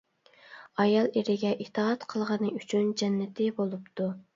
ئايال ئېرىگە ئىتائەت قىلغىنى ئۈچۈن جەننىتى بولۇپتۇ.